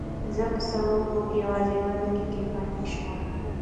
زه په سړو اوبو کې یوازې دوه دقیقې پاتې شوم.